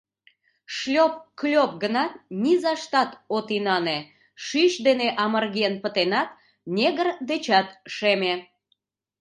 Шлёп-клёп гынат, низаштат от инане: шӱч дене амырген пытенат, негр дечат шеме.